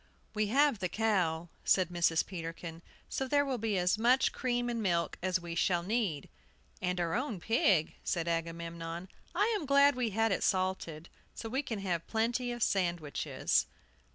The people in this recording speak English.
"We have the cow," said Mrs. Peterkin, "so there will be as much cream and milk as we shall need." "And our own pig," said Agamemnon. "I am glad we had it salted; so we can have plenty of sandwiches."